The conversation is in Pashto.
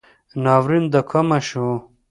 ناورین دکومه شو